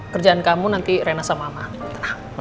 kerjaan kamu nanti renah sama mama